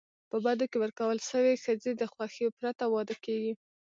په بدو کي ورکول سوي ښځي د خوښی پرته واده کيږي.